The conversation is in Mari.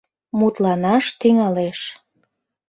Мутланаш тӱҥалеш.